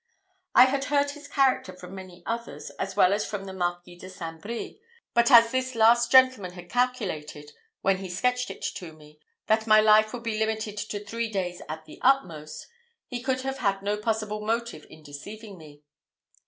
I had heard his character from many others, as well as from the Marquis de St. Brie; but as this last gentleman had calculated, when he sketched it to me, that my life would be limited to three days at the utmost, he could have had no possible motive in deceiving me.